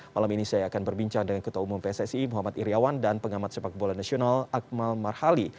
malam ini saya akan berbincang dengan ketua umum pssi muhammad iryawan dan pengamat sepak bola nasional akmal marhali